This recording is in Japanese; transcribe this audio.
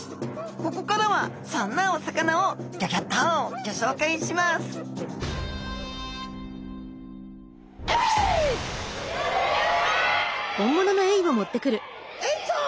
ここからはそんなお魚をギョギョッとギョ紹介しますエイちゃん！